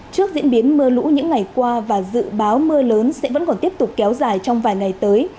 trước diễn biến mưa lũ những ngày qua và dự báo mưa lớn sẽ vẫn còn tiếp tục kéo dài trong vài ngày tới